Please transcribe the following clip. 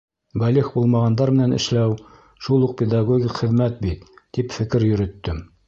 Бәлиғ булмағандар менән эшләү шул уҡ педагогик хеҙмәт бит, тип фекер йөрөттөм.